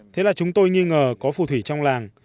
thế là chúng tôi nghi ngờ có phù thủy trong làng